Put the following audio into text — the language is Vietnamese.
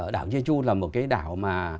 đảo jeju là một cái đảo mà